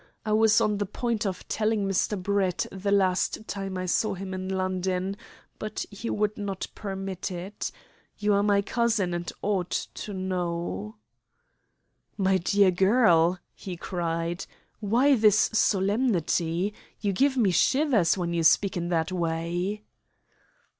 I was on the point of telling Mr. Brett the last time I saw him in London, but he would not permit it. You are my cousin, and ought to know." "My dear girl," he cried, "why this solemnity? You give me shivers when you speak in that way!"